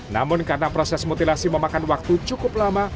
namun karena proses mutilasi memakan waktu cukup lama